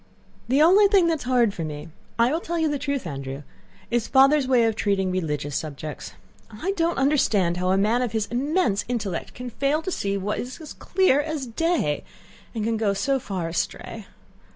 "The only thing that is hard for me... I will tell you the truth, Andrew... is Father's way of treating religious subjects. I don't understand how a man of his immense intellect can fail to see what is as clear as day, and can go so far astray.